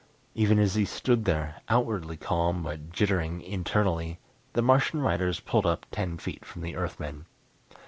Even as he stood there, outwardly calm but jittering internally, the Martian riders pulled up ten feet from the Earthmen.